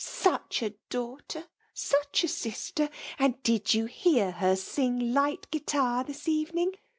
Such a daughter, — such a sister ; and did you hear her sing the ' Light Guitar/ this evening